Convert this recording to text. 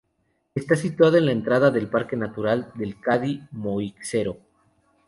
Está situado en la entrada del Parque Natural del Cadí-Moixeró.